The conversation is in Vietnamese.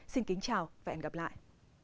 xin kính chào và hẹn gặp lại